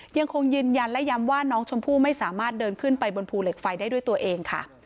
ยังคงยืนยันและย้ำว่าน้องชมพู่ไม่สามารถเดินขึ้นไปบนภูเหล็กไฟได้ด้วยตัวเองค่ะ